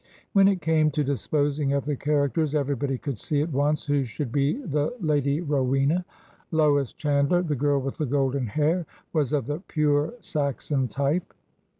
When it came to disposing of the characters, everybody could see at once who should be the Lady Rowena. Lois Chandler, ^he girl with the golden hair, was of the pure Saxon type.